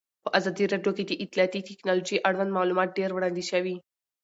په ازادي راډیو کې د اطلاعاتی تکنالوژي اړوند معلومات ډېر وړاندې شوي.